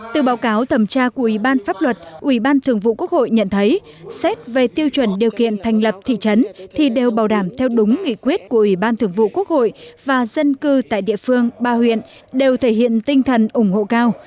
từ báo cáo thẩm tra của ủy ban pháp luật ủy ban thường vụ quốc hội nhận thấy xét về tiêu chuẩn điều kiện thành lập thị trấn thì đều bảo đảm theo đúng nghị quyết của ủy ban thường vụ quốc hội và dân cư tại địa phương ba huyện đều thể hiện tinh thần ủng hộ cao